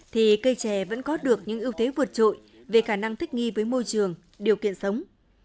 thì cây trẻ vẫn có được những ưu thế vượt trội về khả năng thích nghi với môi trường điều kiện sống